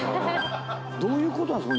どういうことなんですか？